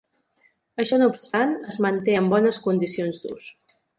Això no obstant, es manté en bones condicions d'ús.